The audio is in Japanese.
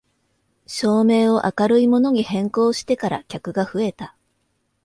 照明を明るいものに変更してから客が増えた